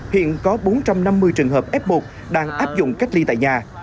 hiện có bốn trăm năm mươi trường hợp f một đang áp dụng cách ly tại nhà